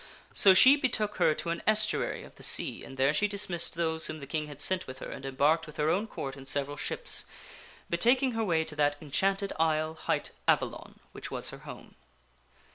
So she betook her way to an estuary of the sea and there she dismissed those whom the King had sent with her and embarked with her own Court in several ships, betaking her way to that enchanted isle, hight Avalon, which was her home.